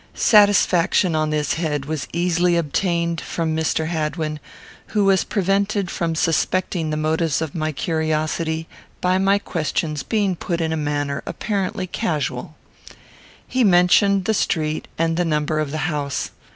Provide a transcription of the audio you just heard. Satisfaction on this head was easily obtained from Mr. Hadwin; who was prevented from suspecting the motives of my curiosity, by my questions being put in a manner apparently casual. He mentioned the street, and the number of the house.